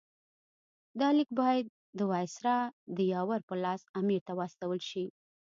دا لیک باید د وایسرا د یاور په لاس امیر ته واستول شي.